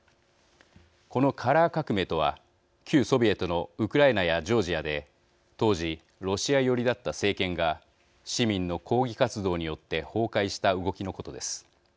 このカラー革命とは旧ソビエトのウクライナやジョージアで当時ロシア寄りだった政権が市民の抗議活動によって崩壊した動きのことです。